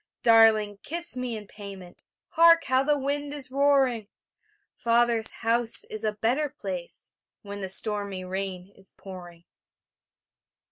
Darling, kiss me in payment... Hark! how the wind is roaring! Father's house is a better place When the stormy rain is pouring.